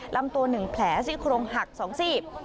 ลำตัว๑แผลสิ้นโครงหัก๒สิบ